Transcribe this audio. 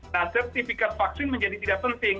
nah sertifikat vaksin menjadi tidak penting